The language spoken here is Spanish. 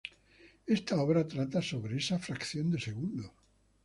Esta obra trata sobre esa fracción de segundo.